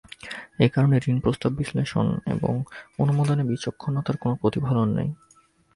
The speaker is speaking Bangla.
এ কারণে ঋণ প্রস্তাব বিশ্লেষণ এবং অনুমোদনে বিচক্ষণতার কোনো প্রতিফলন নেই।